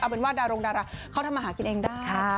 เป็นว่าดารงดาราเขาทำมาหากินเองได้